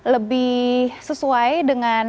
lebih sesuai dengan